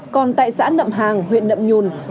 còn tại xã nậm hàng huyện nậm nhun